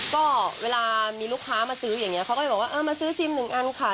ก็เวลามีลูกค้ามาซื้ออย่างนี้เขาก็จะบอกว่าเออมาซื้อซิมหนึ่งอันค่ะ